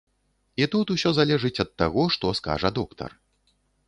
І тут усё залежыць ад таго, што скажа доктар.